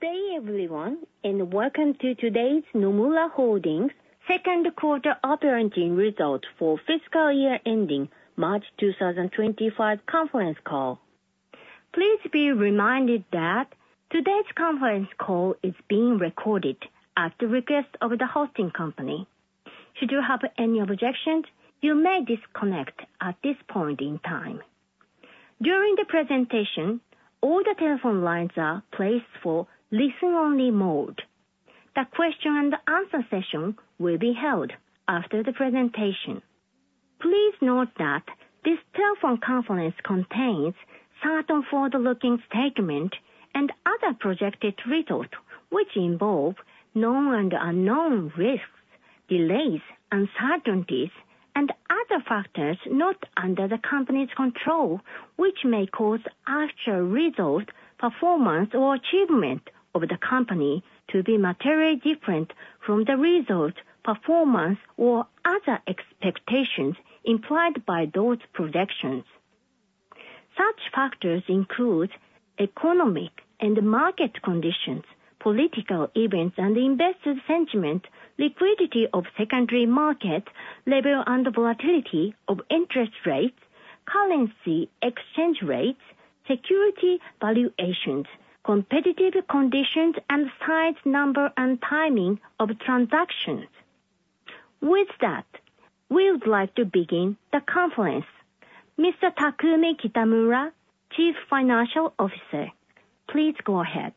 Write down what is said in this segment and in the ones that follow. Good day, everyone, and welcome to today's Nomura Holdings second-quarter operating result for fiscal year ending March 2025 conference call. Please be reminded that today's conference call is being recorded at the request of the hosting company. Should you have any objections, you may disconnect at this point in time. During the presentation, all the telephone lines are placed for listening-only mode. The question-and-answer session will be held after the presentation. Please note that this telephone conference contains certain forward-looking statements and other projected results which involve known and unknown risks, delays, uncertainties, and other factors not under the company's control, which may cause actual result, performance, or achievement of the company to be materially different from the result, performance, or other expectations implied by those projections. Such factors include economic and market conditions, political events and investor sentiment, liquidity of secondary market level and volatility of interest rates, currency exchange rates, security valuations, competitive conditions, and size, number, and timing of transactions. With that, we would like to begin the conference. Mr. Takumi Kitamura, Chief Financial Officer, please go ahead.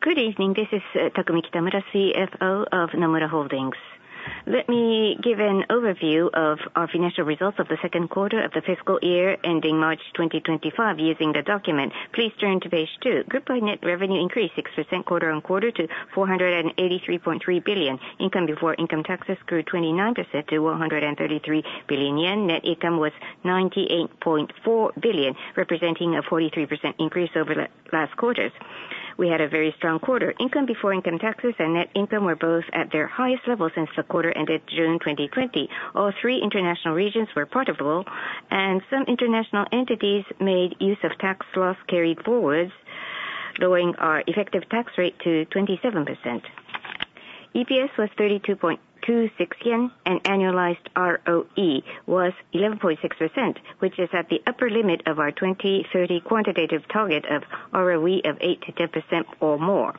Good evening. This is Takumi Kitamura, CFO of Nomura Holdings. Let me give an overview of our financial results of the second quarter of the fiscal year ending March 2025 using the document. Please turn to page two. Group-wide net revenue increased 6% quarter on quarter to JPY 483.3 billion. Income before income taxes grew 29% to 133 billion yen. Net income was JPY 98.4 billion, representing a 43% increase over the last quarters. We had a very strong quarter. Income before income taxes and net income were both at their highest level since the quarter ended June 2020. All three international regions were profitable, and some international entities made use of tax loss carried forward, lowering our effective tax rate to 27%. EPS was 32.26 yen, and annualized ROE was 11.6%, which is at the upper limit of our 2030 quantitative target of ROE of 8%-10% or more.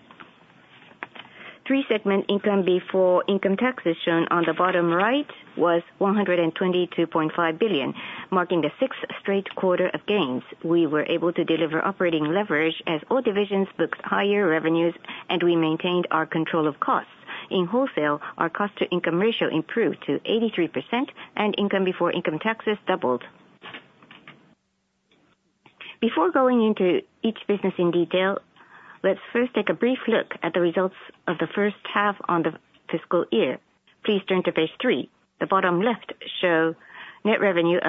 Three-segment income before income taxes shown on the bottom right was 122.5 billion, marking the sixth straight quarter of gains. We were able to deliver operating leverage as all divisions booked higher revenues, and we maintained our control of costs. In Wholesale, our cost-to-income ratio improved to 83%, and income before income taxes doubled. Before going into each business in detail, let's first take a brief look at the results of the first half on the fiscal year. Please turn to page three. The bottom left shows net revenue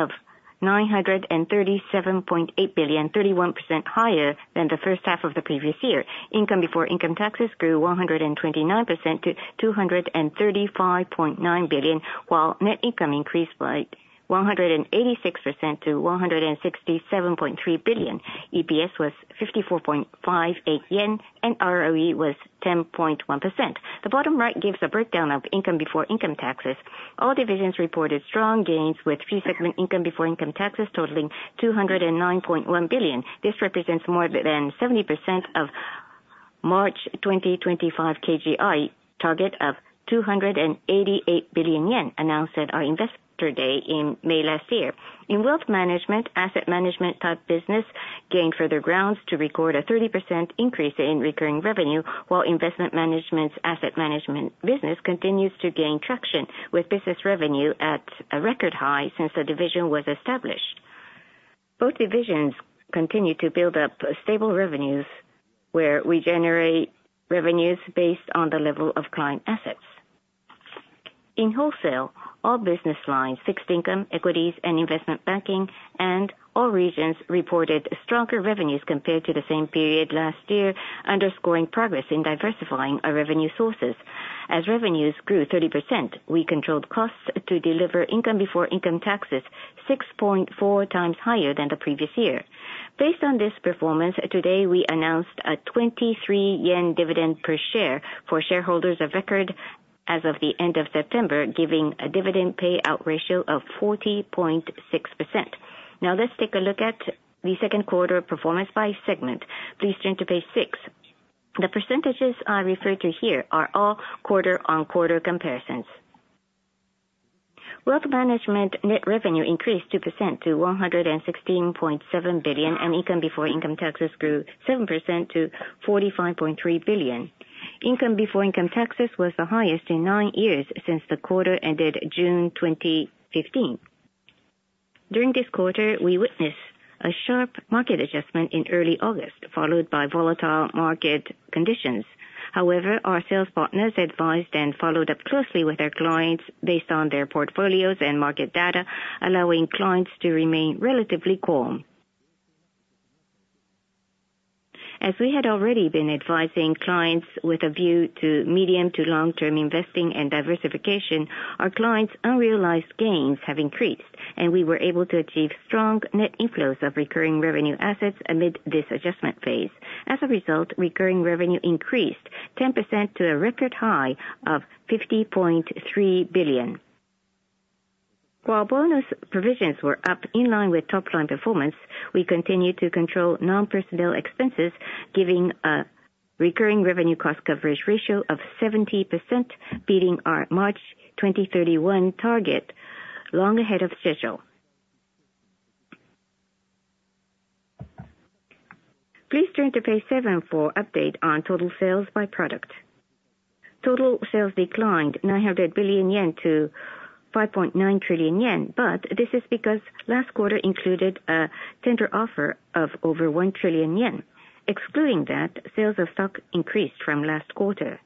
of 937.8 billion, 31% higher than the first half of the previous year. Income before income taxes grew 129% to 235.9 billion, while net income increased by 186% to 167.3 billion. EPS was 54.58 yen, and ROE was 10.1%. The bottom right gives a breakdown of income before income taxes. All divisions reported strong gains, with three-segment income before income taxes totaling 209.1 billion. This represents more than 70% of March 2025 KGI target of 288 billion yen announced at our investor day in May last year. In Wealth Management, asset management-type business gained further grounds to record a 30% increase in recurring revenue, while Investment Management's asset management business continues to gain traction, with business revenue at a record high since the division was established. Both divisions continue to build up stable revenues where we generate revenues based on the level of client assets. In Wholesale, all business lines, Fixed Income, Equities, and Investment Banking, and all regions reported stronger revenues compared to the same period last year, underscoring progress in diversifying our revenue sources. As revenues grew 30%, we controlled costs to deliver income before income taxes 6.4 times higher than the previous year. Based on this performance, today we announced a 23 yen dividend per share for shareholders of record as of the end of September, giving a dividend payout ratio of 40.6%. Now, let's take a look at the second quarter performance by segment. Please turn to page 6. The percentages I refer to here are all quarter-on-quarter comparisons. Wealth Management net revenue increased 2% to 116.7 billion, and income before income taxes grew 7% to 45.3 billion. Income before income taxes was the highest in nine years since the quarter ended June 2015. During this quarter, we witnessed a sharp market adjustment in early August, followed by volatile market conditions. However, our sales partners advised and followed up closely with our clients based on their portfolios and market data, allowing clients to remain relatively calm. As we had already been advising clients with a view to medium to long-term investing and diversification, our clients' unrealized gains have increased, and we were able to achieve strong net inflows of recurring revenue assets amid this adjustment phase. As a result, recurring revenue increased 10% to a record high of 50.3 billion. While bonus provisions were up in line with top-line performance, we continued to control non-personnel expenses, giving a recurring revenue cost coverage ratio of 70%, beating our March 2031 target long ahead of schedule. Please turn to page seven for an update on total sales by product. Total sales declined 900 billion yen to 5.9 trillion yen, but this is because last quarter included a tender offer of over 1 trillion yen. Excluding that, sales of stock increased from last quarter.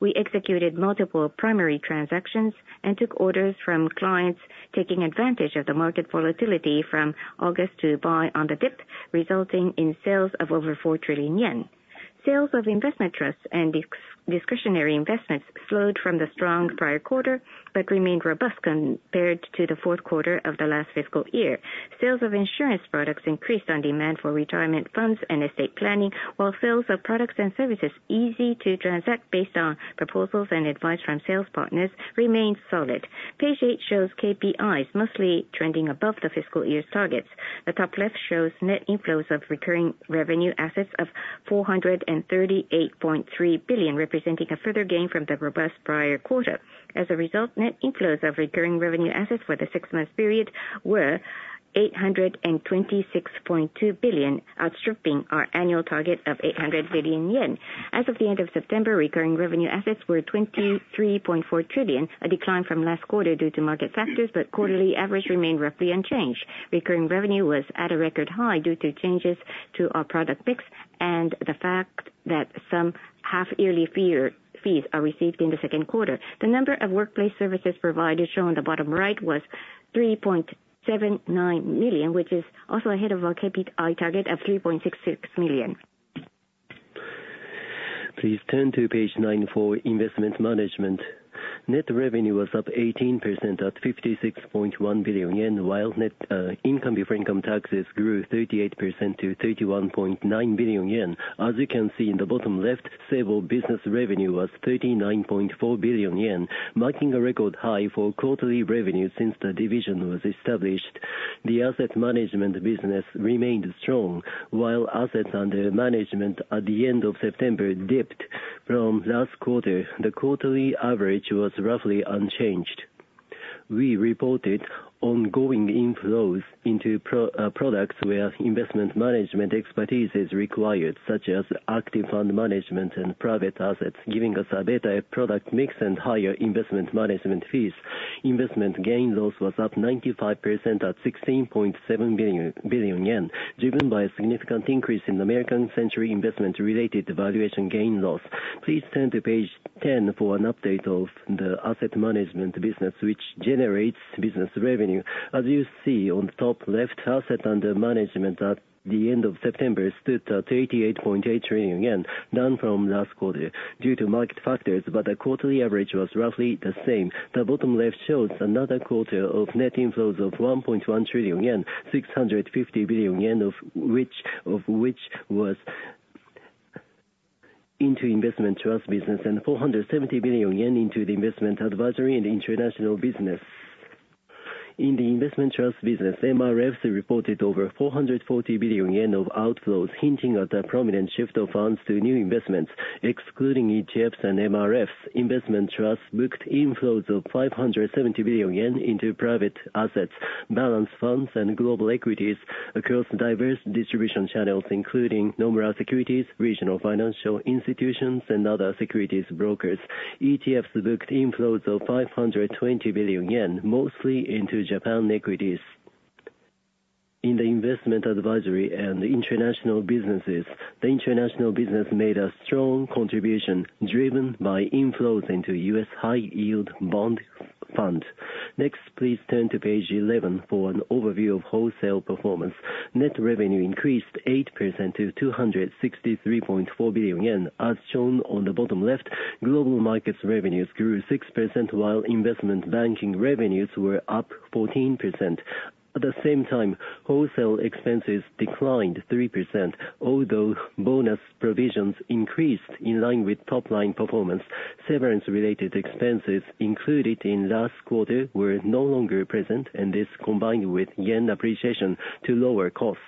We executed multiple primary transactions and took orders from clients, taking advantage of the market volatility from August to buy on the dip, resulting in sales of over 4 trillion yen. Sales of investment trusts and discretionary investments slowed from the strong prior quarter but remained robust compared to the fourth quarter of the last fiscal year. Sales of insurance products increased on demand for retirement funds and estate planning, while sales of products and services easy to transact based on proposals and advice from sales partners remained solid. Page eight shows KPIs mostly trending above the fiscal year's targets. The top left shows net inflows of recurring revenue assets of 438.3 billion, representing a further gain from the robust prior quarter. As a result, net inflows of recurring revenue assets for the six-month period were 826.2 billion, outstripping our annual target of 800 billion yen. As of the end of September, recurring revenue assets were 23.4 trillion JPY, a decline from last quarter due to market factors, but quarterly average remained roughly unchanged. Recurring revenue was at a record high due to changes to our product mix and the fact that some half-yearly fees are received in the second quarter. The number of workplace services provided shown on the bottom right was 3.79 million, which is also ahead of our KPI target of 3.66 million. Please turn to page nine for Investment Management. Net revenue was up 18% at 56.1 billion yen, while net income before income taxes grew 38% to 31.9 billion yen. As you can see in the bottom left, stable business revenue was 39.4 billion yen, marking a record high for quarterly revenue since the division was established. The asset management business remained strong, while assets under management at the end of September dipped from last quarter. The quarterly average was roughly unchanged. We reported ongoing inflows into products where Investment Management expertise is required, such as active fund management and private assets, giving us a better product mix and higher Investment Management fees. Investment gains/losses was up 95% at 16.7 billion yen, driven by a significant increase in American Century Investments-related valuation gains/losses. Please turn to page ten for an update of the asset management business, which generates business revenue. As you see on the top left, assets under management at the end of September stood at 88.8 trillion yen, down from last quarter due to market factors, but the quarterly average was roughly the same. The bottom left shows another quarter of net inflows of 1.1 trillion yen, 650 billion yen of which was into investment trust business and 470 billion yen into the investment advisory and international business. In the investment trust business, MRFs reported over 440 billion yen of outflows, hinting at a prominent shift of funds to new investments, excluding ETFs and MRFs. Investment trusts booked inflows of 570 billion yen into private assets, balanced funds, and global equities across diverse distribution channels, including Nomura Securities, regional financial institutions, and other securities brokers. ETFs booked inflows of 520 billion yen, mostly into Japan equities. In the investment advisory and international businesses, the international business made a strong contribution driven by inflows into U.S. high-yield bond funds. Next, please turn to page 11 for an overview of Wholesale performance. Net revenue increased 8% to 263.4 billion yen. As shown on the bottom left, Global Markets revenues grew 6%, while Investment Banking revenues were up 14%. At the same time, Wholesale expenses declined 3%, although bonus provisions increased in line with top-line performance. Severance-related expenses included in last quarter were no longer present, and this combined with yen appreciation to lower costs.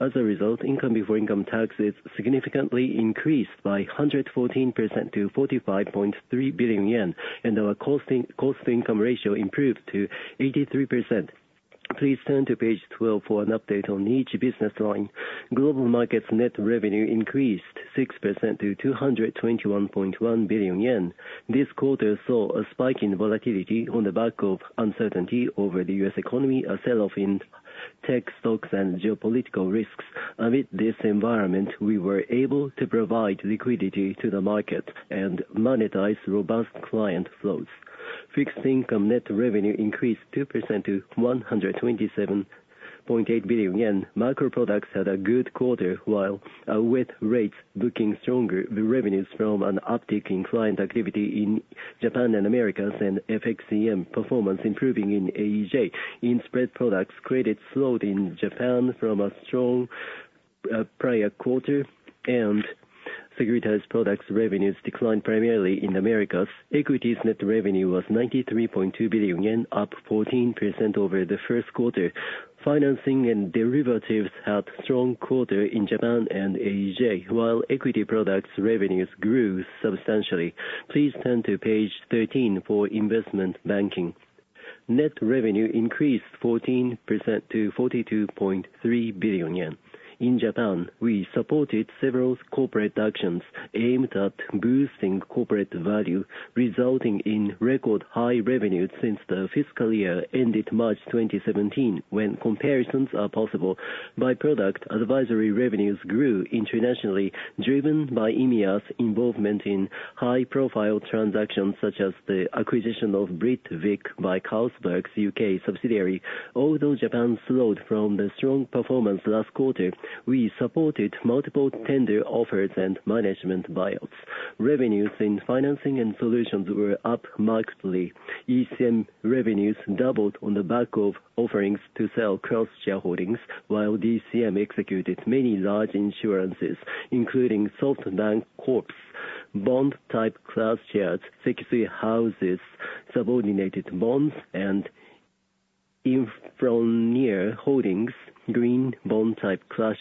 As a result, income before income taxes significantly increased by 114% to 45.3 billion yen, and our cost-to-income ratio improved to 83%. Please turn to page 12 for an update on each business line. Global Markets net revenue increased 6% to 221.1 billion yen. This quarter saw a spike in volatility on the back of uncertainty over the U.S. economy, a sell-off in tech stocks, and geopolitical risks. Amid this environment, we were able to provide liquidity to the market and monetize robust client flows. Fixed Income net revenue increased 2% to 127.8 billion yen. Macro Products had a good quarter, while our Rates booking stronger revenues from an uptick in client activity in Japan and Americas and FX/EM performance improving in AEJ. In Spread Products, Credit slowed in Japan from a strong prior quarter, and Securitized Products revenues declined primarily in the Americas. Equities net revenue was 93.2 billion yen, up 14% over the first quarter. Financing and derivatives had a strong quarter in Japan and AEJ, while Equity Products revenues grew substantially. Please turn to page 13 for Investment Banking. Net revenue increased 14% to 42.3 billion yen. In Japan, we supported several corporate actions aimed at boosting corporate value, resulting in record high revenues since the fiscal year ended March 2017, when comparisons are possible. By product, advisory revenues grew internationally, driven by M&A's involvement in high-profile transactions such as the acquisition of Britvic by Carlsberg's U.K. subsidiary. Although Japan slowed from the strong performance last quarter, we supported multiple tender offers and management buyouts. Revenues in Financing and Solutions were up markedly. ECM revenues doubled on the back of offerings to sell cross-share holdings, while DCM executed many large issuances, including SoftBank Corp's Bond-Type Class Shares, Sekisui House's subordinated bonds, and INFRONEER Holdings' Green Bond-Type Class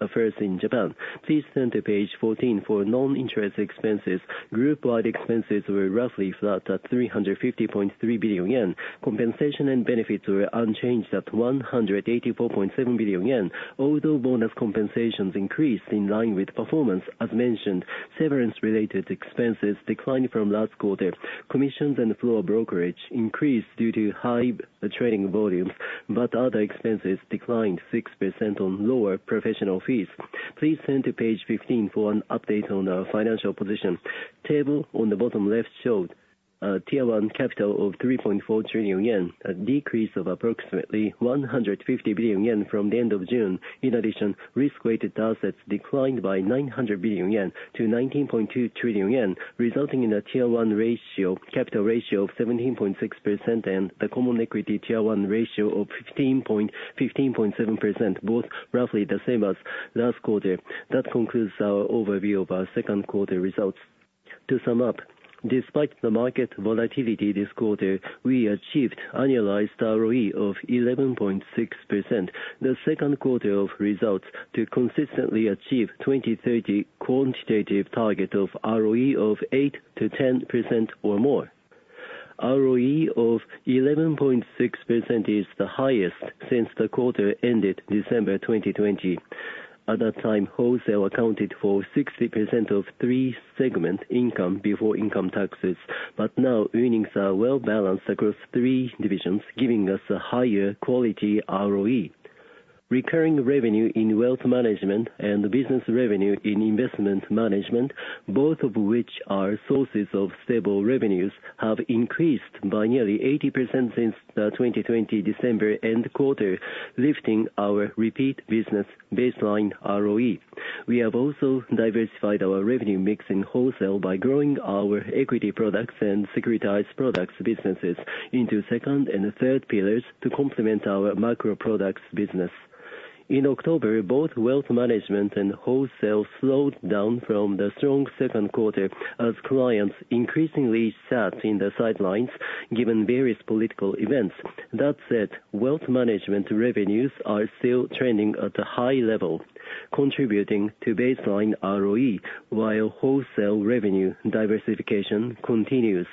Shares, a first in Japan. Please turn to page 14 for non-interest expenses. Group-wide expenses were roughly flat at 350.3 billion yen. Compensation and benefits were unchanged at 184.7 billion yen, although bonus compensations increased in line with performance. As mentioned, severance-related expenses declined from last quarter. Commissions and floor brokerage increased due to high trading volumes, but other expenses declined 6% on lower professional fees. Please turn to page 15 for an update on our financial position. The table on the bottom left showed a Tier 1 capital of 3.4 trillion yen, a decrease of approximately 150 billion yen from the end of June. In addition, risk-weighted assets declined by 900 billion yen to 19.2 trillion yen, resulting in a Tier 1 capital ratio of 17.6% and a Common Equity Tier 1 ratio of 15.7%, both roughly the same as last quarter. That concludes our overview of our second quarter results. To sum up, despite the market volatility this quarter, we achieved annualized ROE of 11.6% the second quarter of results to consistently achieve the 2030 quantitative target of ROE of 8%-10% or more. ROE of 11.6% is the highest since the quarter ended December 2020. At that time, Wholesale accounted for 60% of three-segment income before income taxes, but now earnings are well-balanced across three divisions, giving us a higher quality ROE. Recurring revenue in Wealth Management and business revenue in Investment Management, both of which are sources of stable revenues, have increased by nearly 80% since the 2020 December end quarter, lifting our repeat business baseline ROE. We have also diversified our revenue mix in Wholesale by growing our Equity Products and Securitized Products businesses into second and third pillars to Fixed Income products business. In October, both Wealth Management and Wholesale slowed down from the strong second quarter as clients increasingly sat in the sidelines given various political events. That said, Wealth Management revenues are still trending at a high level, contributing to baseline ROE, while Wholesale revenue diversification continues.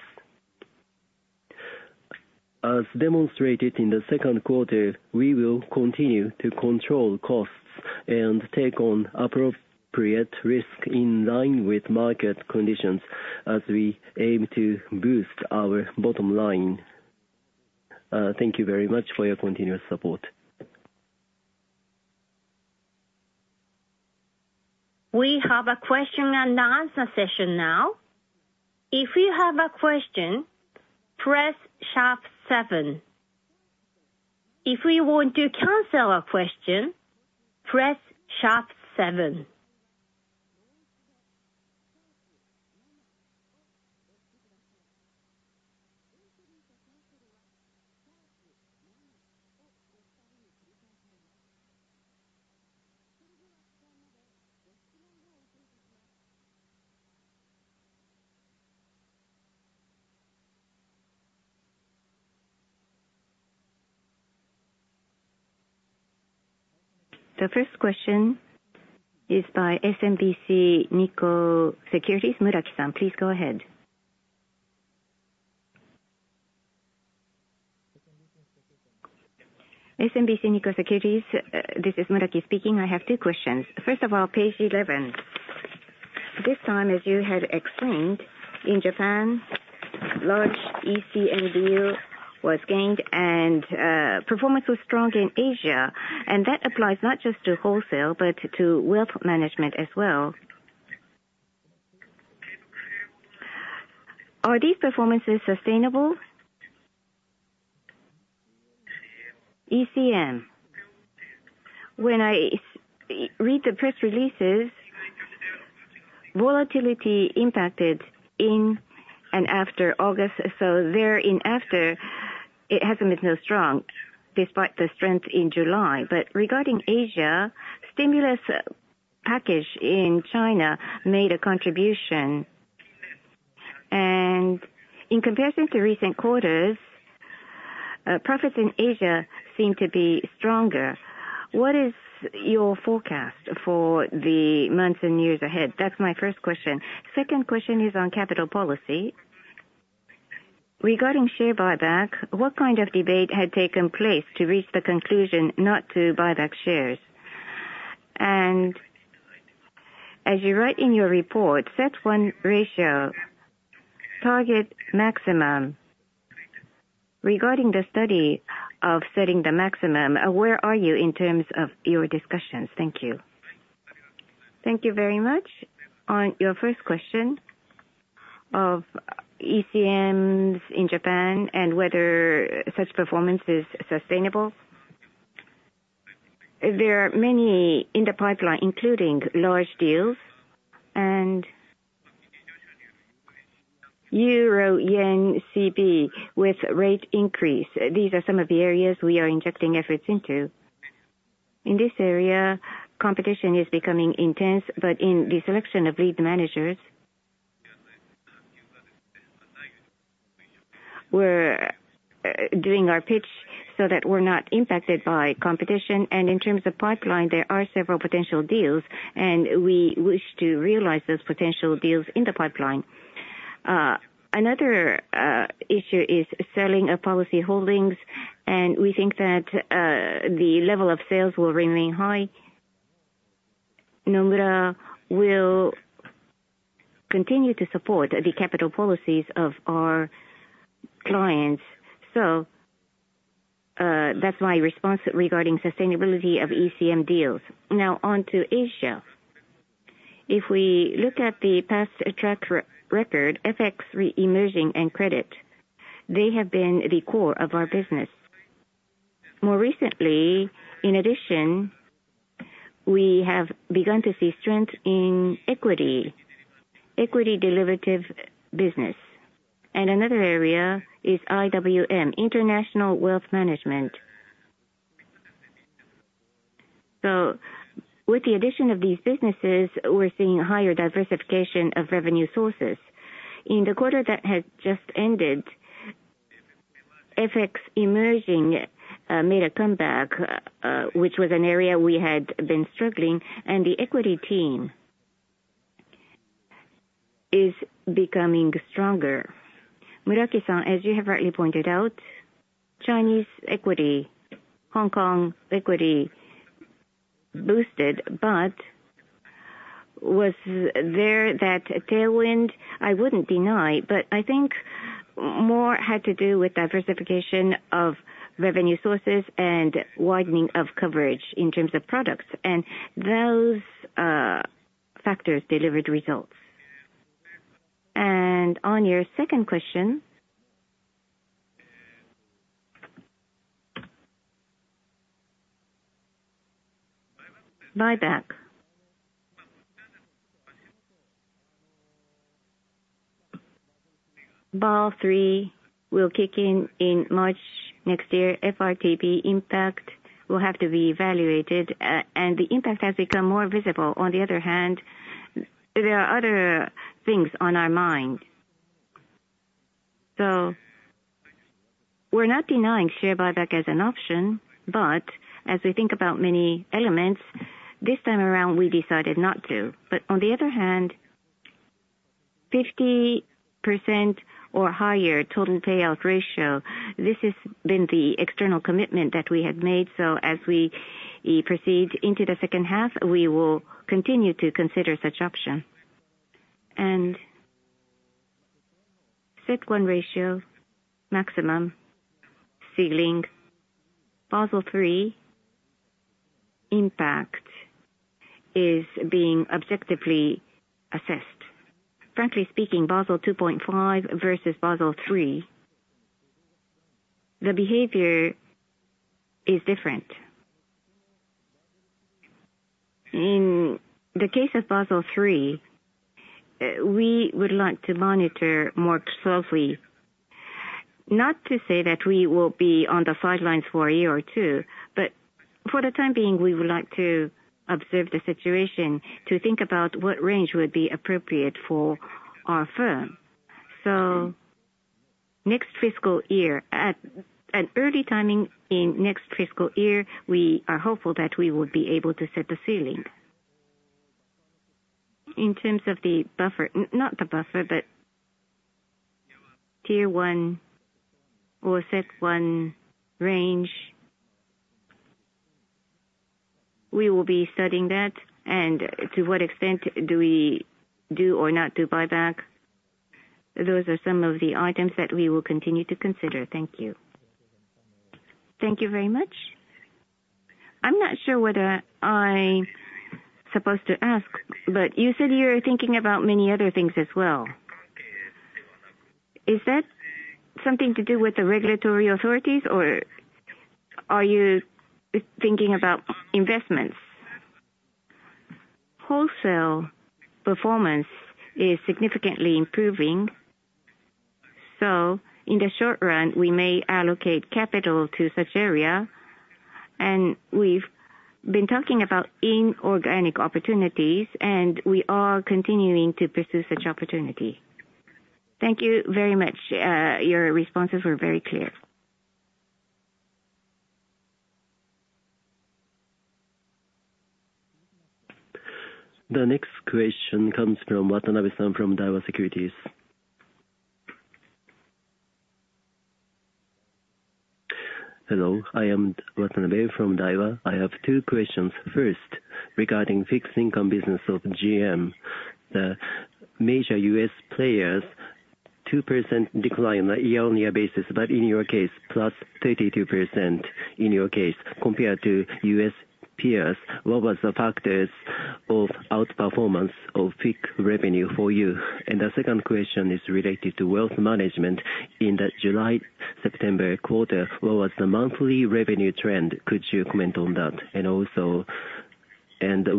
As demonstrated in the second quarter, we will continue to control costs and take on appropriate risk in line with market conditions as we aim to boost our bottom line. Thank you very much for your continued support. We have a question and answer session now. If you have a question, press sharp 7. If we want to cancel a question, press #7. The first question is by SMBC Nikko Securities. Muraki-san, please go ahead. SMBC Nikko Securities, this is Muraki speaking. I have two questions. First of all, page 11. This time, as you had explained, in Japan, large ECM volume was gained and performance was strong in Asia, and that applies not just to Wholesale but to Wealth Management as well. Are these performances sustainable? ECM. When I read the press releases, volatility impacted in and after August, so thereafter, it hasn't been so strong despite the strength in July. But regarding Asia, stimulus package in China made a contribution, and in comparison to recent quarters, profits in Asia seem to be stronger. What is your forecast for the months and years ahead? That's my first question. Second question is on capital policy. Regarding share buyback, what kind of debate had taken place to reach the conclusion not to buyback shares? And as you write in your report, CET1 ratio, target maximum. Regarding the study of setting the maximum, where are you in terms of your discussions? Thank you. Thank you very much. On your first question of ECMs in Japan and whether such performance is sustainable, there are many in the pipeline, including large deals and Euroyen CB with rate increase. These are some of the areas we are injecting efforts into. In this area, competition is becoming intense, but in the selection of lead managers, we're doing our pitch so that we're not impacted by competition. And in terms of pipeline, there are several potential deals, and we wish to realize those potential deals in the pipeline. Another issue is selling of policy holdings, and we think that the level of sales will remain high. Nomura will continue to support the capital policies of our clients, so that's my response regarding sustainability of ECM deals. Now, on to Asia. If we look at the past track record, FX, Emerging and Credit, they have been the core of our business. More recently, in addition, we have begun to see strength in equity, equity derivative business. And another area is IWM, International Wealth Management. So with the addition of these businesses, we're seeing higher diversification of revenue sources. In the quarter that has just ended, FX Emerging made a comeback, which was an area we had been struggling, and the equity team is becoming stronger. Muraki-san, as you have rightly pointed out, Chinese equity, Hong Kong equity boosted, but was there that tailwind? I wouldn't deny, but I think more had to do with diversification of revenue sources and widening of coverage in terms of products, and those factors delivered results. And on your second question, buyback. Basel III will kick in in March next year. FRTB impact will have to be evaluated, and the impact has become more visible. On the other hand, there are other things on our mind. So we're not denying share buyback as an option, but as we think about many elements, this time around, we decided not to. But on the other hand, 50% or higher total payout ratio, this has been the external commitment that we had made, so as we proceed into the second half, we will continue to consider such option. And CET1 ratio, maximum ceiling. Basel III impact is being objectively assessed. Frankly speaking, Basel 2.5 versus Basel III, the behavior is different. In the case of Basel III, we would like to monitor more closely. Not to say that we will be on the sidelines for a year or two, but for the time being, we would like to observe the situation to think about what range would be appropriate for our firm. So next fiscal year, at an early timing in next fiscal year, we are hopeful that we will be able to set the ceiling. In terms of the buffer, not the buffer, but Tier 1 or CET1 range, we will be studying that, and to what extent do we do or not do buyback. Those are some of the items that we will continue to consider. Thank you. Thank you very much. I'm not sure whether I'm supposed to ask, but you said you're thinking about many other things as well. Is that something to do with the regulatory authorities, or are you thinking about investments? Wholesale performance is significantly improving, so in the short run, we may allocate capital to such area, and we've been talking about inorganic opportunities, and we are continuing to pursue such opportunity. Thank you very much. Your responses were very clear. The next question comes from Watanabe-san from Daiwa Securities. Hello. I am Watanabe from Daiwa. I have two questions. First, regarding Fixed Income business of GM, the major U.S. players, 2% decline on a year-on-year basis, but in your case, plus 32% in your case compared to U.S. peers. What were the factors of outperformance of fixed revenue for you? And the second question is related to Wealth Management. In the July-September quarter, what was the monthly revenue trend? Could you comment on that? And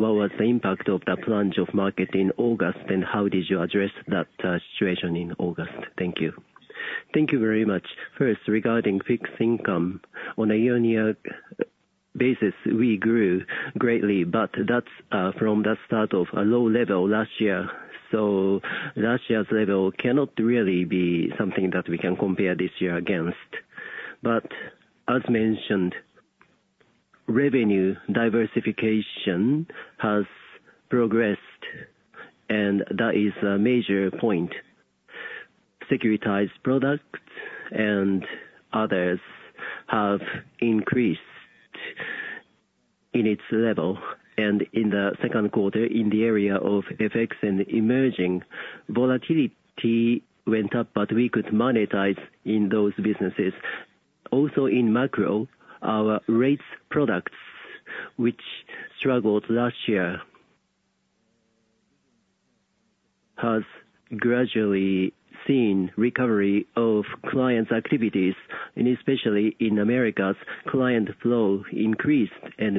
what was the impact of the plunge of market in August, and how did you address that situation in August? Thank you. Thank you very much. First, regarding Fixed Income, on a year-on-year basis, we grew greatly, but that's from the start of a low level last year. So last year's level cannot really be something that we can compare this year against. But as mentioned, revenue diversification has progressed, and that is a major point. Securitized Products and others have increased in its level. And in the second quarter, in the area of FX and Emerging, volatility went up, but we could monetize in those businesses. Also, in macro, our Rates products, which struggled last year, have gradually seen recovery of client activities, and especially in America, client flow increased, and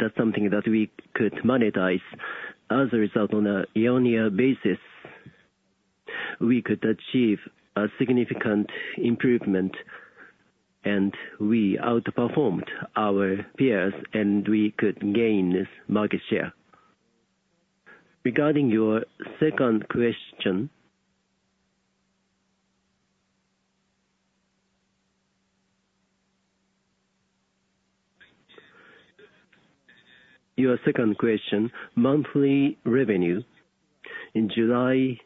that's something that we could monetize. As a result, on a year-on-year basis, we could achieve a significant improvement, and we outperformed our peers, and we could gain this market share. Regarding your second question, monthly revenue in July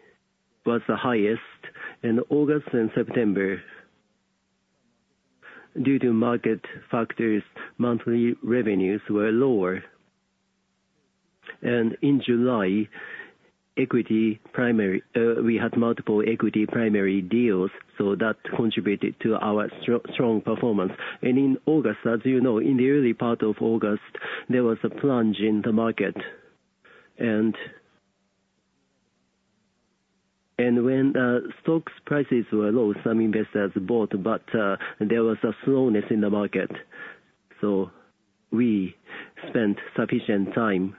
was the highest, and August and September, due to market factors, monthly revenues were lower. And in July, we had multiple equity primary deals, so that contributed to our strong performance. In August, as you know, in the early part of August, there was a plunge in the market. When stock prices were low, some investors bought, but there was a slowness in the market. We spent sufficient time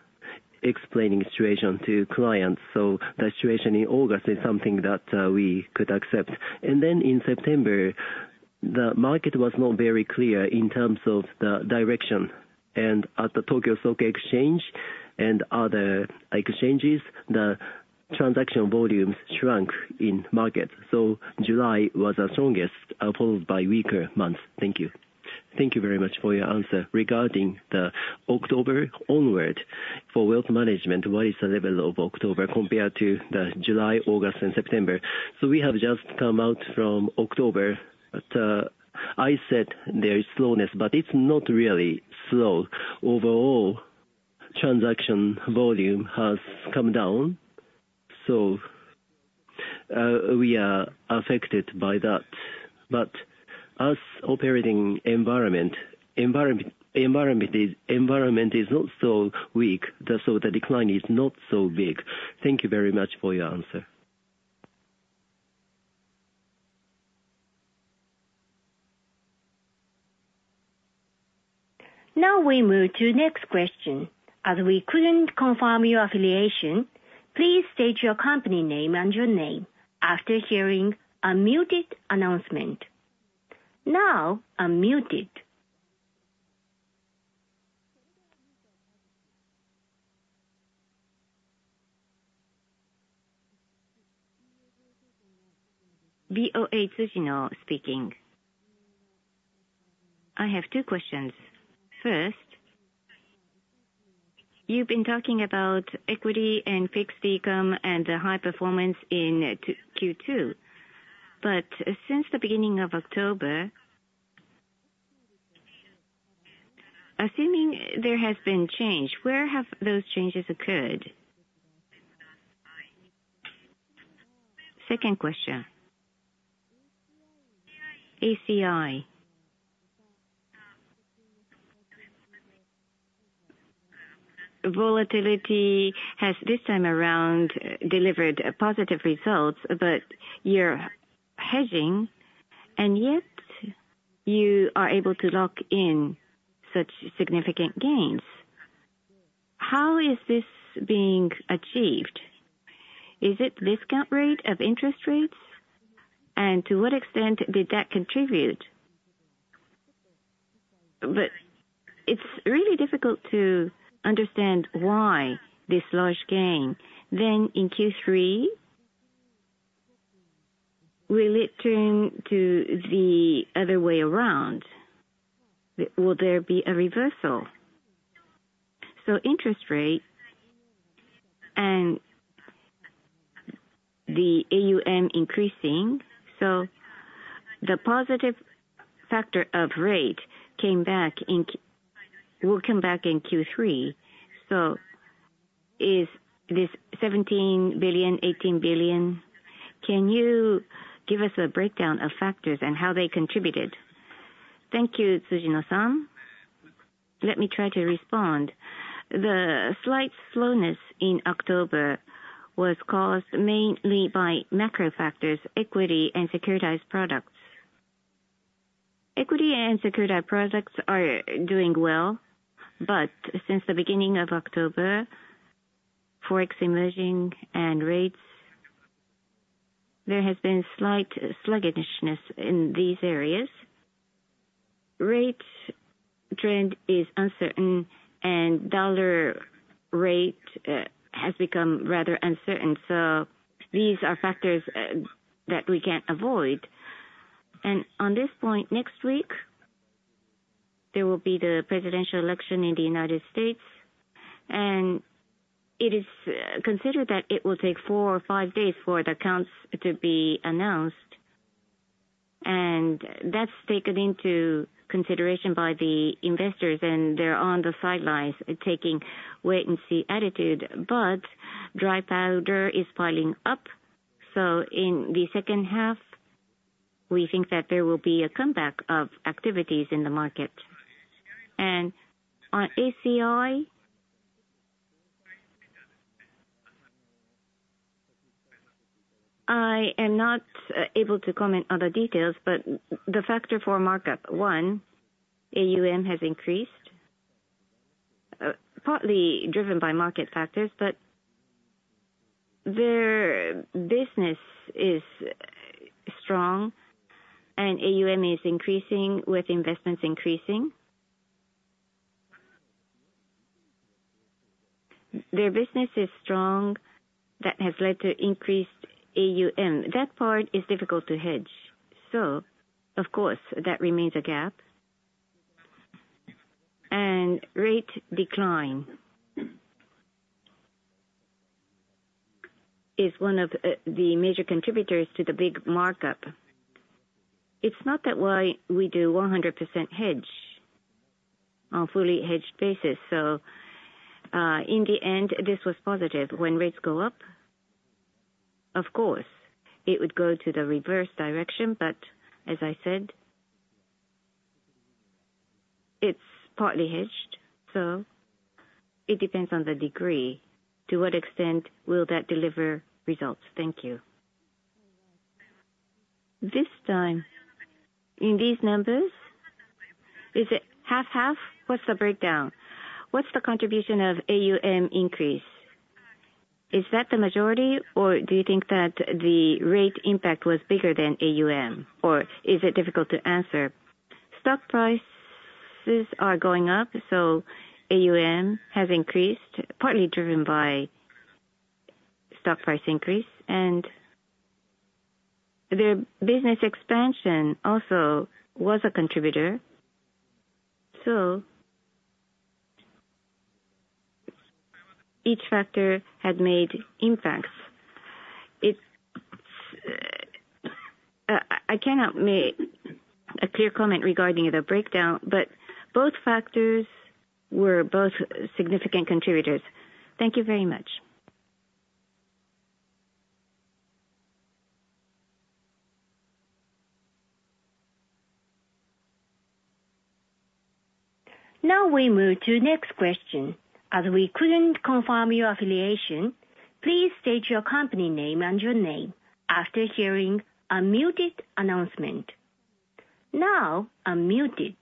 explaining the situation to clients. The situation in August is something that we could accept. Then in September, the market was not very clear in terms of the direction. At the Tokyo Stock Exchange and other exchanges, the transaction volumes shrank in the market. July was the strongest, followed by weaker months. Thank you. Thank you very much for your answer. Regarding the October onward, for Wealth Management, what is the level of October compared to the July, August, and September? We have just come out from October. I said there is slowness, but it's not really slow. Overall, transaction volume has come down, so we are affected by that. But as operating environment, environment is not so weak, so the decline is not so big. Thank you very much for your answer. Now we move to the next question. As we couldn't confirm your affiliation, please state your company name and your name after hearing a muted announcement. Now, unmuted. BofA Tsujino-san speaking. I have two questions. First, you've been talking about equity and Fixed Income and the high performance in Q2, but since the beginning of October, assuming there has been change, where have those changes occurred? Second question. ACI. Volatility has this time around delivered positive results, but you're hedging, and yet you are able to lock in such significant gains. How is this being achieved? Is it discount rate of interest rates? And to what extent did that contribute? But it's really difficult to understand why this large gain. Then in Q3, will it turn to the other way around? Will there be a reversal? Interest rate and the AUM increasing, so the positive factor of rate came back in Q3. Is this 17 billion, 18 billion? Can you give us a breakdown of factors and how they contributed? Thank you, Tsujino-san. Let me try to respond. The slight slowness in October was caused mainly by macro factors, equity, and Securitized Products. Equity and Securitized Products are doing well, but since the beginning of October, Forex Emerging and Rates, there has been slight sluggishness in these areas. Rate trend is uncertain, and dollar rate has become rather uncertain. These are factors that we can't avoid. Next week, there will be the presidential election in the United States, and it is considered that it will take four or five days for the counts to be announced. That's taken into consideration by the investors, and they're on the sidelines taking wait-and-see attitude. Dry powder is piling up, so in the second half, we think that there will be a comeback of activities in the market. On ACI, I am not able to comment on the details, but the factor for markup, one, AUM has increased, partly driven by market factors, but their business is strong, and AUM is increasing with investments increasing. Their business is strong. That has led to increased AUM. That part is difficult to hedge. Of course, that remains a gap. Rate decline is one of the major contributors to the big markup. It's not that we do 100% hedge on a fully hedged basis. In the end, this was positive. When rates go up, of course, it would go to the reverse direction, but as I said, it's partly hedged. So it depends on the degree. To what extent will that deliver results? Thank you. This time, in these numbers, is it half-half? What's the breakdown? What's the contribution of AUM increase? Is that the majority, or do you think that the rate impact was bigger than AUM? Or is it difficult to answer? Stock prices are going up, so AUM has increased, partly driven by stock price increase. And their business expansion also was a contributor. So each factor had made impacts. I cannot make a clear comment regarding the breakdown, but both factors were both significant contributors. Thank you very much. Now we move to the next question. As we couldn't confirm your affiliation, please state your company name and your name after hearing a muted announcement. Now, unmuted.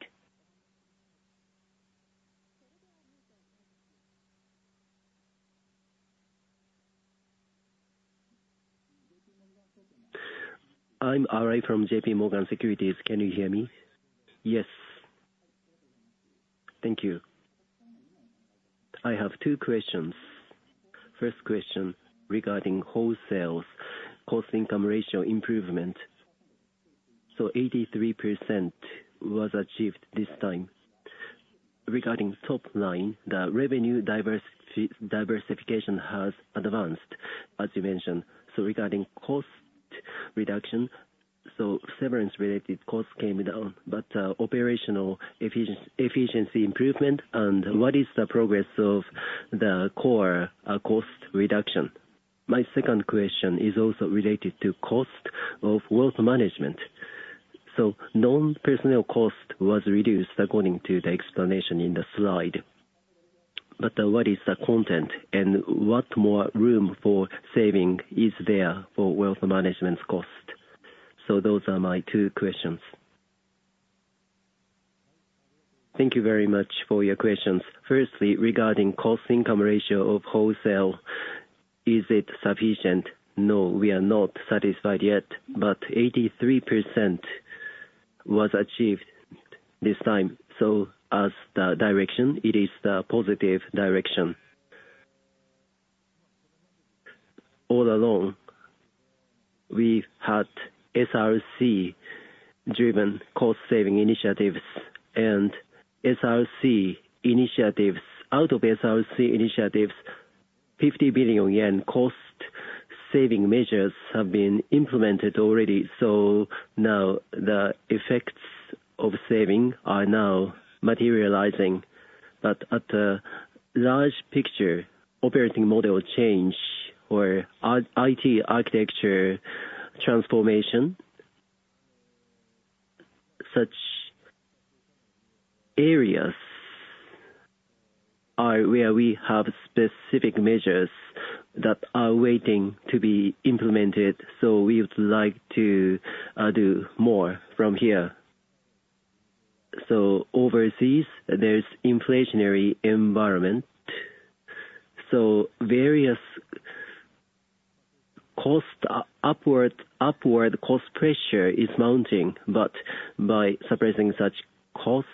I'm Arai from JPMorgan Securities. Can you hear me? Yes. Thank you. I have two questions. First question regarding Wholesale cost income ratio improvement. So 83% was achieved this time. Regarding top line, the revenue diversification has advanced, as you mentioned. So regarding cost reduction, so severance-related costs came down, but operational efficiency improvement, and what is the progress of the core cost reduction? My second question is also related to cost of Wealth Management. So non-personnel cost was reduced according to the explanation in the slide. But what is the content, and what more room for saving is there for Wealth Management cost? So those are my two questions. Thank you very much for your questions. Firstly, regarding cost income ratio of Wholesale, is it sufficient? No, we are not satisfied yet, but 83% was achieved this time. So as the direction, it is the positive direction. All along, we had SRC-driven cost-saving initiatives, and SRC initiatives. Out of SRC initiatives, 50 billion yen cost-saving measures have been implemented already. So now the effects of saving are now materializing. But at the large picture, operating model change or IT architecture transformation, such areas are where we have specific measures that are waiting to be implemented. So we would like to do more from here. So overseas, there's inflationary environment. So various upward cost pressure is mounting. But by suppressing such cost,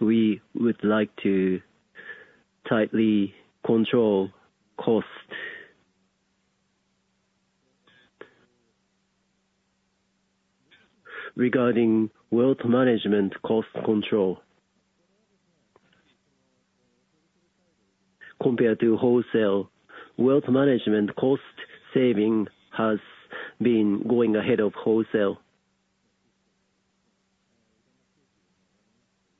we would like to tightly control cost. Regarding Wealth Management cost control, compared to Wholesale, Wealth Management cost saving has been going ahead of Wholesale.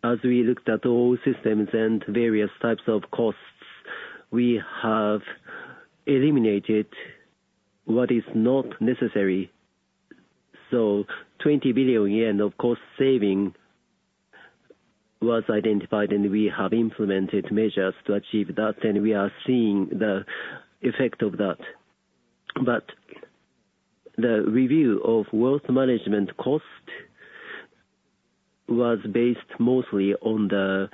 As we looked at all systems and various types of costs, we have eliminated what is not necessary. So 20 billion yen of cost saving was identified, and we have implemented measures to achieve that, and we are seeing the effect of that. But the review of Wealth Management cost was based mostly on the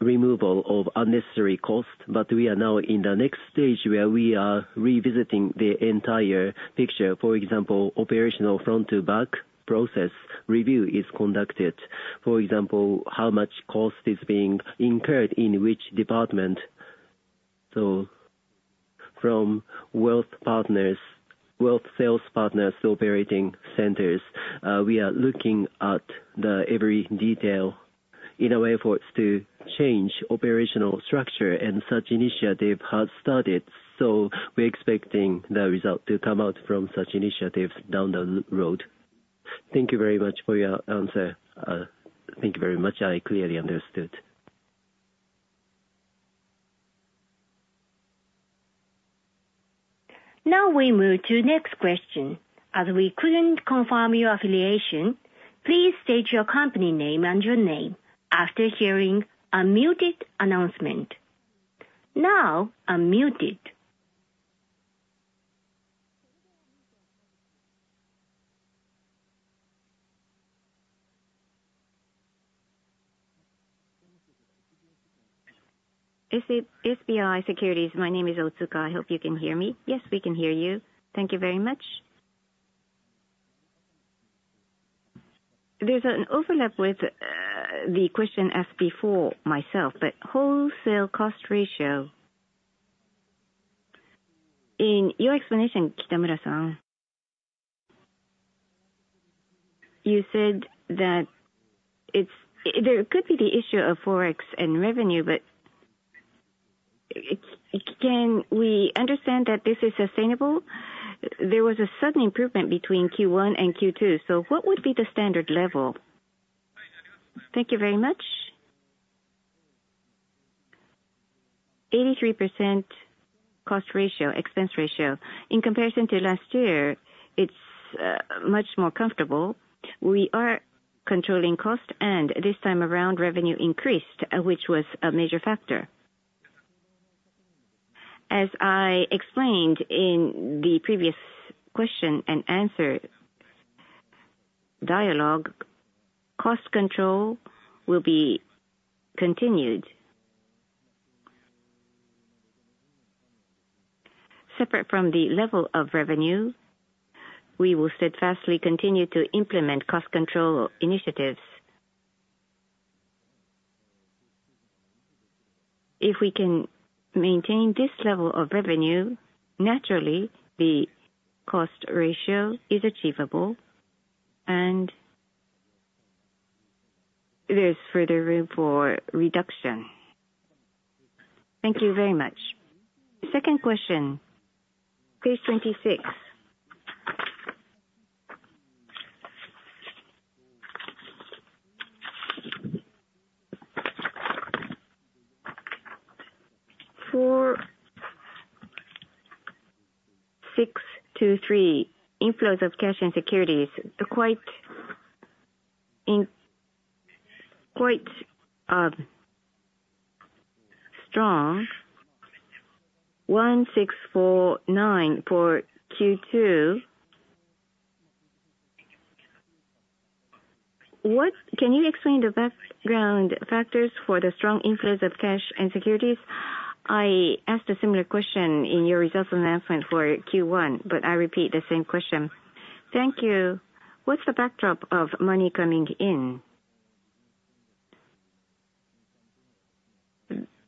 removal of unnecessary cost, but we are now in the next stage where we are revisiting the entire picture. For example, operational front-to-back process review is conducted. For example, how much cost is being incurred in which department. So from wealth sales partners to operating centers, we are looking at every detail in our efforts to change operational structure, and such initiative has started. So we're expecting the result to come out from such initiatives down the road. Thank you very much for your answer. Thank you very much. I clearly understood. Now we move to the next question. As we couldn't confirm your affiliation, please state your company name and your name after hearing a muted announcement. Now, unmuted. SBI Securities, my name is Otsuka. I hope you can hear me. Yes, we can hear you. Thank you very much. There's an overlap with the question asked before myself, but Wholesale cost ratio. In your explanation, Kitamura-san, you said that there could be the issue of FX and revenue, but can we understand that this is sustainable? There was a sudden improvement between Q1 and Q2. So what would be the standard level? Thank you very much. 83% cost ratio, expense ratio. In comparison to last year, it's much more comfortable. We are controlling cost, and this time around, revenue increased, which was a major factor. As I explained in the previous question and answer dialogue, cost control will be continued. Separate from the level of revenue, we will steadfastly continue to implement cost control initiatives. If we can maintain this level of revenue, naturally, the cost ratio is achievable, and there's further room for reduction. Thank you very much. Second question, page 26. For 6/23, inflows of cash and securities are quite strong. 1649 for Q2. Can you explain the background factors for the strong inflows of cash and securities? I asked a similar question in your results announcement for Q1, but I repeat the same question. Thank you. What's the backdrop of money coming in?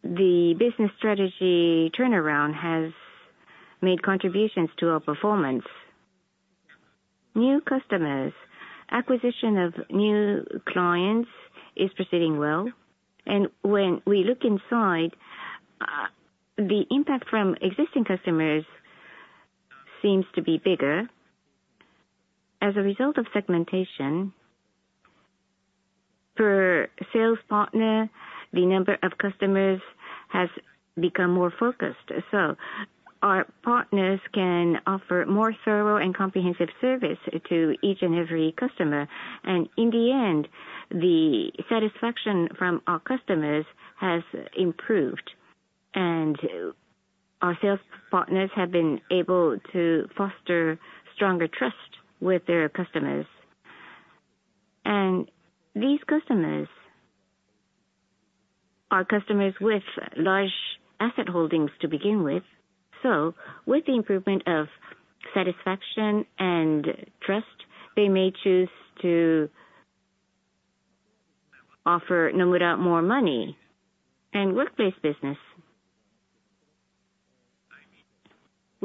The business strategy turnaround has made contributions to our performance. New customers, acquisition of new clients is proceeding well. And when we look inside, the impact from existing customers seems to be bigger. As a result of segmentation, per sales partner, the number of customers has become more focused. So our partners can offer more thorough and comprehensive service to each and every customer. In the end, the satisfaction from our customers has improved, and our sales partners have been able to foster stronger trust with their customers. These customers are customers with large asset holdings to begin with. With the improvement of satisfaction and trust, they may choose to offer Nomura more money and Wealth Management business.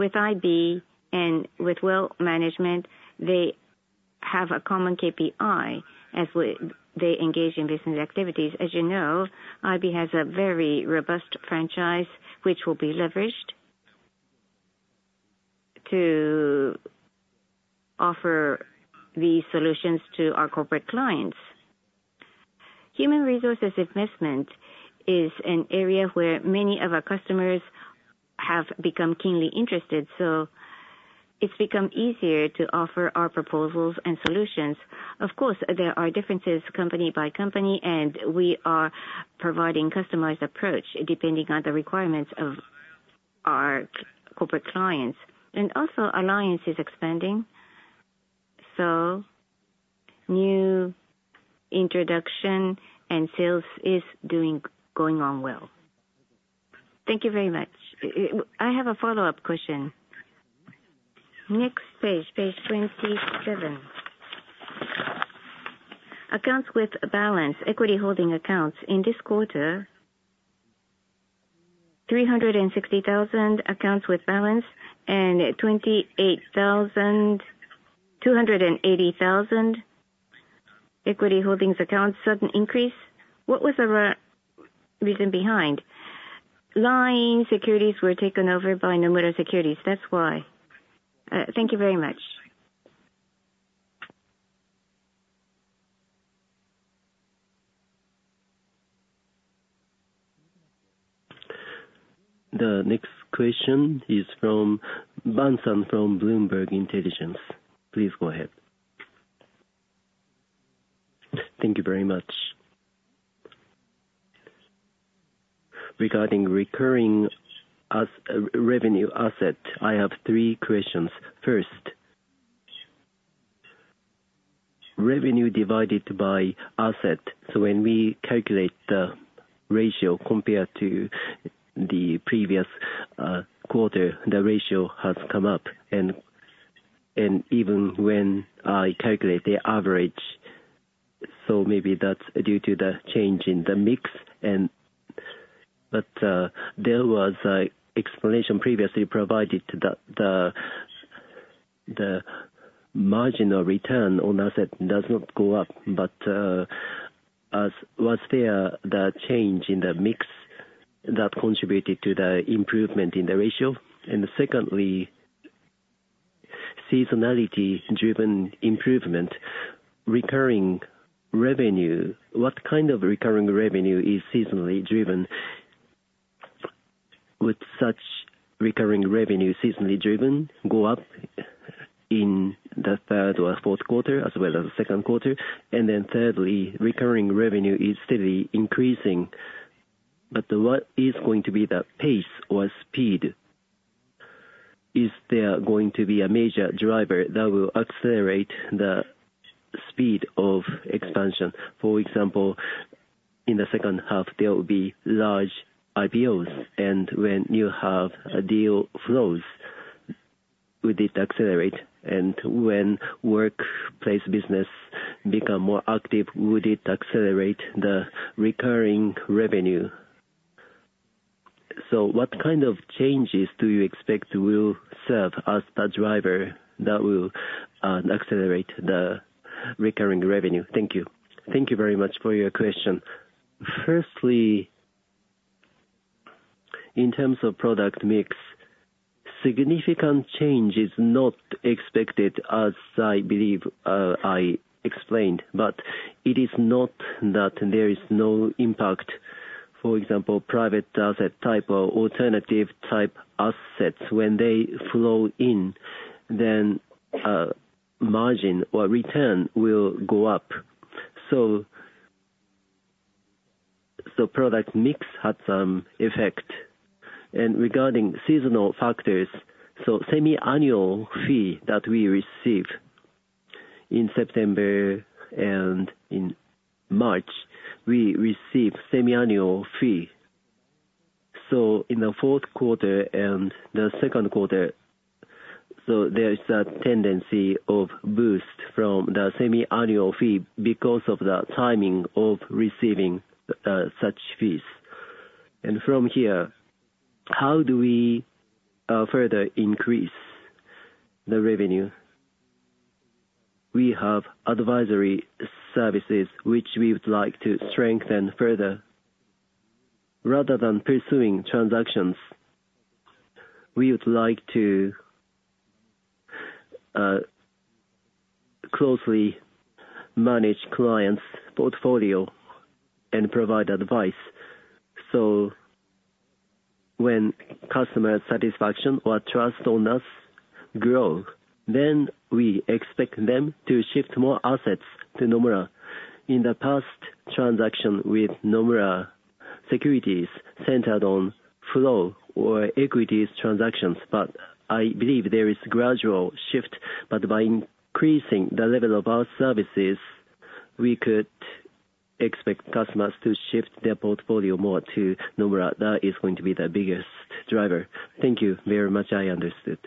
With IB and with Wealth Management, they have a common KPI as they engage in business activities. As you know, IB has a very robust franchise, which will be leveraged to offer these solutions to our corporate clients. Human resources investment is an area where many of our customers have become keenly interested. It's become easier to offer our proposals and solutions. Of course, there are differences company by company, and we are providing a customized approach depending on the requirements of our corporate clients. Also, Alliance is expanding. So new introduction and sales is going on well. Thank you very much. I have a follow-up question. Next page, page 27. Accounts with balance, equity holding accounts in this quarter, 360,000 accounts with balance and 28,280,000 equity holdings accounts, sudden increase. What was the reason behind? LINE Securities were taken over by Nomura Securities. That's why. Thank you very much. The next question is from Ban-san from Bloomberg Intelligence. Please go ahead. Thank you very much. Regarding recurring revenue asset, I have three questions. First, revenue divided by asset. So when we calculate the ratio compared to the previous quarter, the ratio has come up. And even when I calculate the average, so maybe that's due to the change in the mix. But there was an explanation previously provided that the marginal return on asset does not go up, but as was there, the change in the mix that contributed to the improvement in the ratio. And secondly, seasonality-driven improvement, recurring revenue. What kind of recurring revenue is seasonally driven? Would such recurring revenue seasonally driven go up in the third or fourth quarter as well as the second quarter? And then thirdly, recurring revenue is steadily increasing. But what is going to be the pace or speed? Is there going to be a major driver that will accelerate the speed of expansion? For example, in the second half, there will be large IPOs. And when you have deal flows, would it accelerate? And when Wholesale business becomes more active, would it accelerate the recurring revenue? So what kind of changes do you expect will serve as the driver that will accelerate the recurring revenue? Thank you. Thank you very much for your question. Firstly, in terms of product mix, significant change is not expected as I believe I explained. But it is not that there is no impact. For example, private asset type or alternative type assets, when they flow in, then margin or return will go up. So the product mix had some effect. And regarding seasonal factors, so semi-annual fee that we receive in September and in March, we receive semi-annual fee. So in the fourth quarter and the second quarter, so there is a tendency of boost from the semi-annual fee because of the timing of receiving such fees. And from here, how do we further increase the revenue? We have advisory services, which we would like to strengthen further. Rather than pursuing transactions, we would like to closely manage clients' portfolio and provide advice. So when customer satisfaction or trust on us grows, then we expect them to shift more assets to Nomura. In the past transaction with Nomura Securities centered on flow or equities transactions, but I believe there is a gradual shift. But by increasing the level of our services, we could expect customers to shift their portfolio more to Nomura. That is going to be the biggest driver. Thank you very much. I understood.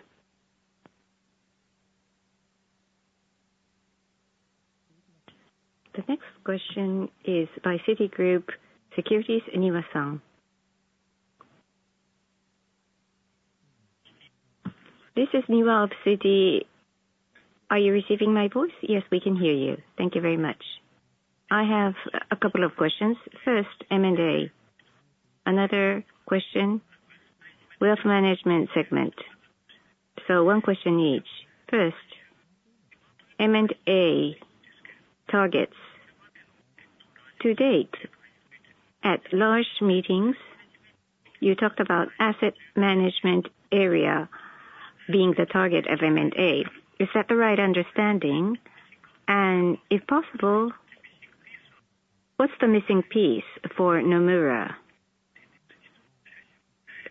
The next question is by Citigroup Securities and Niwa-san. This is Niwa of Citigroup. Are you receiving my voice? Yes, we can hear you. Thank you very much. I have a couple of questions. First, M&A. Another question, Wealth Management segment. So one question each. First, M&A targets. To date, at large meetings, you talked about asset management area being the target of M&A. Is that the right understanding? And if possible, what's the missing piece for Nomura?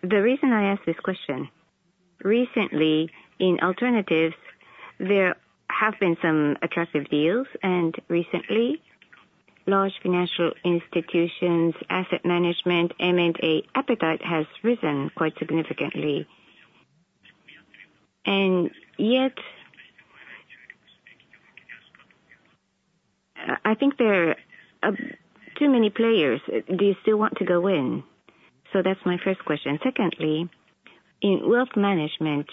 The reason I ask this question, recently in alternatives, there have been some attractive deals, and recently, large financial institutions' asset management M&A appetite has risen quite significantly. And yet, I think there are too many players. Do you still want to go in? So that's my first question. Secondly, in Wealth Management,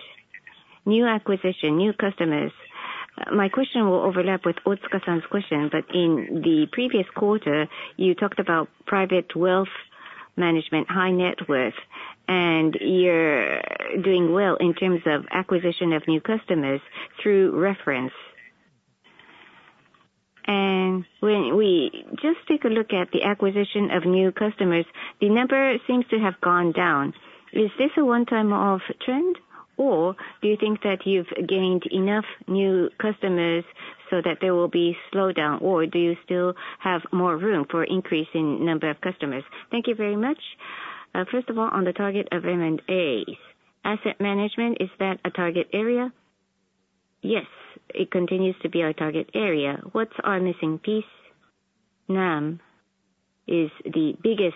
new acquisition, new customers, my question will overlap with Otsuka-san's question, but in the previous quarter, you talked about private Wealth Management, high net worth, and you're doing well in terms of acquisition of new customers through referral. And when we just take a look at the acquisition of new customers, the number seems to have gone down. Is this a one-off trend, or do you think that you've gained enough new customers so that there will be a slowdown, or do you still have more room for an increase in the number of customers? Thank you very much. First of all, on the target of M&As, asset management, is that a target area? Yes, it continues to be our target area. What's our missing piece? Nomura is the biggest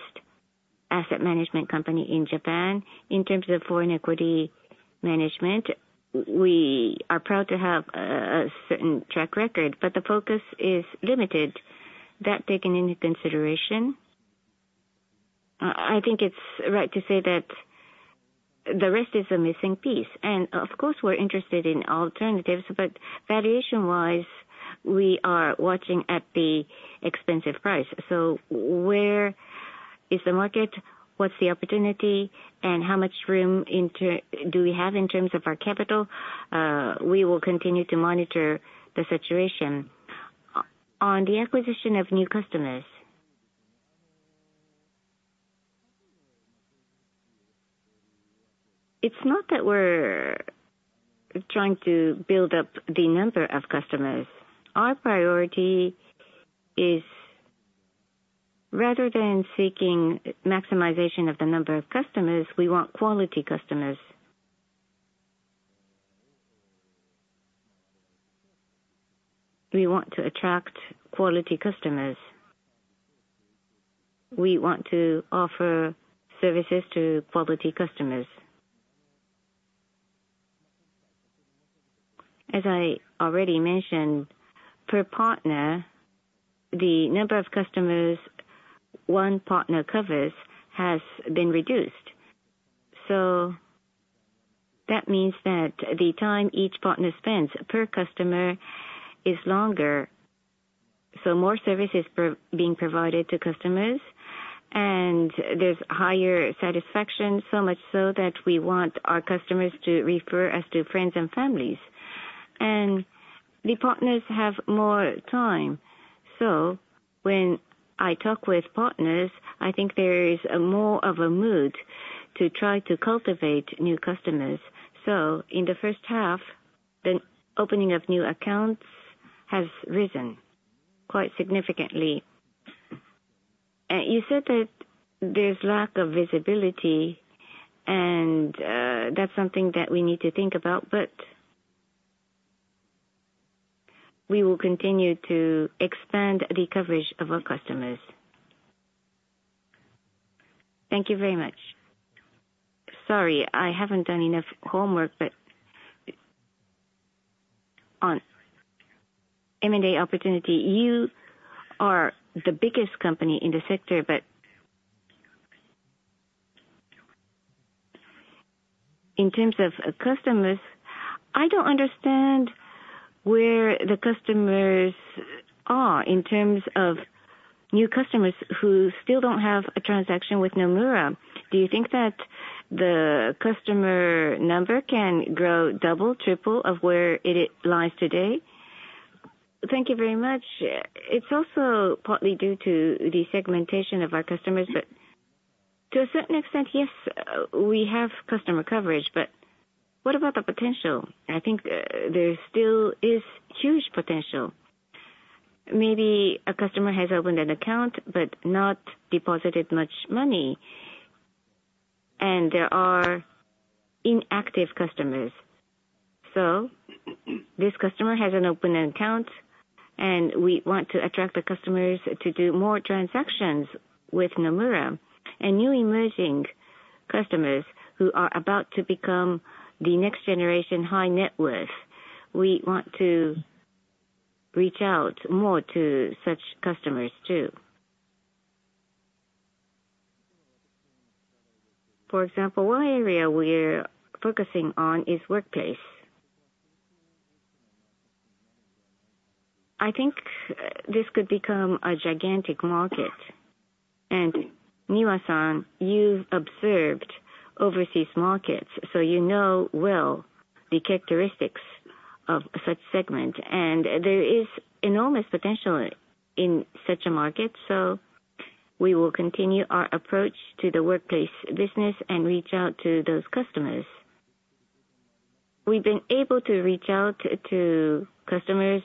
asset management company in Japan. In terms of foreign equity management, we are proud to have a certain track record, but the focus is limited. That taken into consideration, I think it's right to say that the rest is a missing piece, and of course, we're interested in alternatives, but valuation-wise, we are watching at the expensive price, so where is the market? What's the opportunity? And how much room do we have in terms of our capital? We will continue to monitor the situation. On the acquisition of new customers, it's not that we're trying to build up the number of customers. Our priority is, rather than seeking maximization of the number of customers, we want quality customers. We want to attract quality customers. We want to offer services to quality customers. As I already mentioned, per partner, the number of customers one partner covers has been reduced. So that means that the time each partner spends per customer is longer, so more services are being provided to customers, and there's higher satisfaction, so much so that we want our customers to refer us to friends and families. And the partners have more time. So when I talk with partners, I think there is more of a mood to try to cultivate new customers. So in the first half, the opening of new accounts has risen quite significantly. You said that there's a lack of visibility, and that's something that we need to think about, but we will continue to expand the coverage of our customers. Thank you very much. Sorry, I haven't done enough homework, but on M&A opportunity, you are the biggest company in the sector, but in terms of customers, I don't understand where the customers are in terms of new customers who still don't have a transaction with Nomura. Do you think that the customer number can grow double, triple of where it lies today? Thank you very much. It's also partly due to the segmentation of our customers, but to a certain extent, yes, we have customer coverage, but what about the potential? I think there still is huge potential. Maybe a customer has opened an account but not deposited much money, and there are inactive customers. So this customer has an open account, and we want to attract the customers to do more transactions with Nomura. And new Emerging customers who are about to become the next generation high net worth, we want to reach out more to such customers too. For example, one area we're focusing on is workplace. I think this could become a gigantic market. And Niwa-san, you've observed overseas markets, so you know well the characteristics of such segments. And there is enormous potential in such a market, so we will continue our approach to the workplace business and reach out to those customers. We've been able to reach out to customers,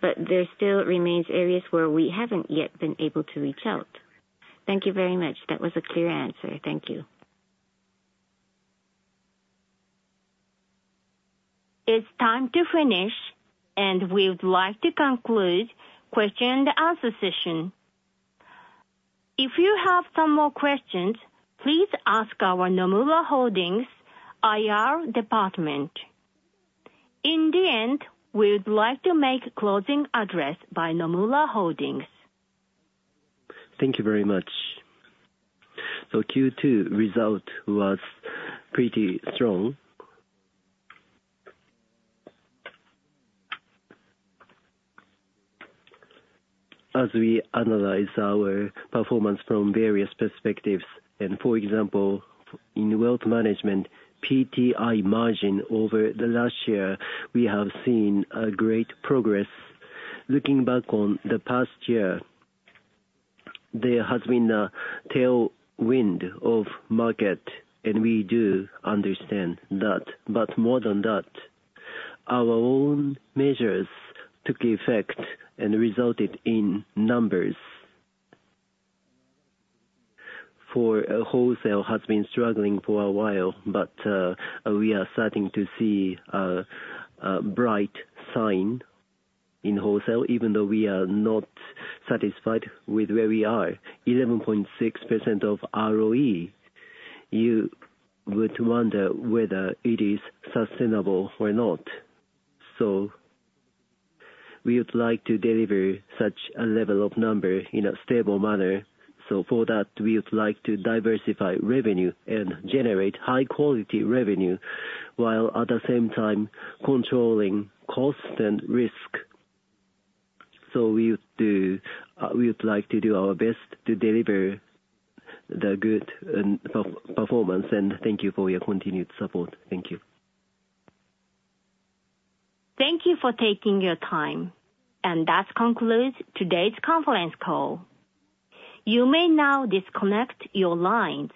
but there still remain areas where we haven't yet been able to reach out. Thank you very much. That was a clear answer. Thank you. It's time to finish, and we would like to conclude the question-and-answer session. If you have some more questions, please ask our Nomura Holdings IR department. In the end, we would like to make a closing address by Nomura Holdings. Thank you very much. Q2 result was pretty strong. As we analyze our performance from various perspectives, and for example, in Wealth Management, PTI margin over the last year, we have seen great progress. Looking back on the past year, there has been a tailwind of market, and we do understand that. But more than that, our own measures took effect and resulted in numbers. For Wholesale, it has been struggling for a while, but we are starting to see a bright sign in Wholesale, even though we are not satisfied with where we are. 11.6% of ROE, you would wonder whether it is sustainable or not. We would like to deliver such a level of number in a stable manner. For that, we would like to diversify revenue and generate high-quality revenue while at the same time controlling cost and risk. So we would like to do our best to deliver the good performance. And thank you for your continued support. Thank you. Thank you for taking your time. And that concludes today's conference call. You may now disconnect your line.